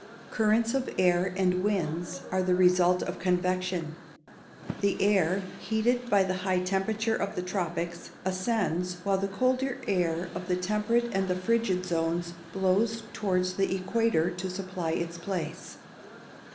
_ Currents of air, and winds, are the result of convection. The air, heated by the high temperature of the tropics, ascends, while the colder air of the temperate and the frigid zones blows towards the equator to supply its place.